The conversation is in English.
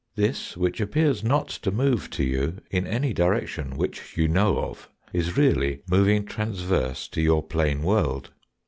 This, which appears not to move to you in any direction which you know of, is really moving transverse to your plane world.